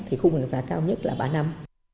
thì khung hình phạt cao nhất là ba năm